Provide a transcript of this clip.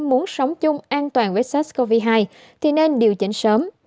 muốn sống chung an toàn với sars cov hai thì nên điều chỉnh sớm